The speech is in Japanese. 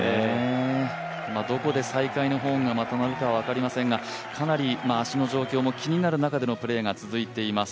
どこで再開のホーンがまた鳴るかは分かりませんがかなり足の状況も気になる中でのプレーが続いています。